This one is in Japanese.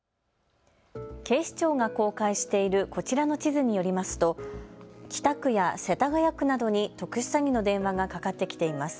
警視庁が公開しているこちらの地図によりますと北区や世田谷区などに特殊詐欺の電話がかかってきています。